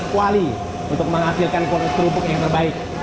sembilan belas kuali untuk menghasilkan kondisi kerupuk yang terbaik